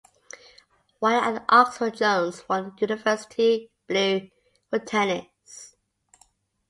While at Oxford Jones won a University Blue for tennis.